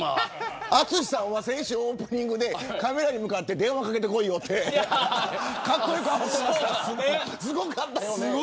淳さんは先週オープニングでカメラに向かって電話かけてこいよってかっこよく言ってました。